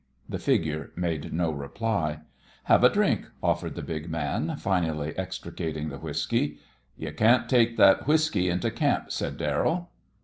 The figure made no reply. "Have a drink," offered the big man, finally extricating the whiskey. "You can't take that whiskey into camp," said Darrell.